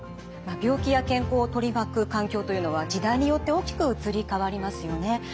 病気や健康を取り巻く環境というのは時代によって大きく移り変わりますよね。